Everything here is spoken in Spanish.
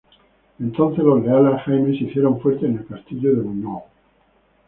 Entonces, los leales a Jaime se hicieron fuertes en el castillo de Buñol.